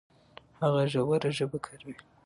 هغه ژوره ژبه کاروي.